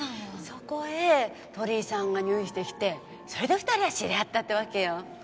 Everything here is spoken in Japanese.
そこへ鳥居さんが入院してきてそれで２人は知り合ったってわけよ。